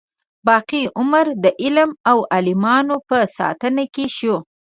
باقي عمر د علم او عالمانو په ساتنه کې شو.